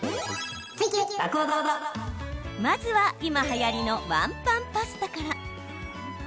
まずは、今はやりのワンパンパスタから。